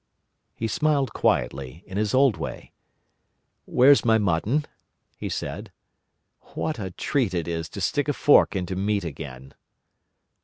He smiled quietly, in his old way. "Where's my mutton?" he said. "What a treat it is to stick a fork into meat again!"